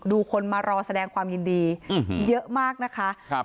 คนมารอแสดงความยินดีเยอะมากนะคะครับ